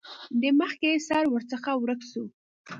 د مخکې سر ورڅخه ورک شو.